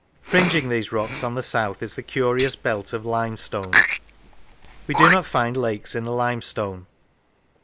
Fringing these rocks on the south is the curious belt of limestone. We do not find lakes in the limestone.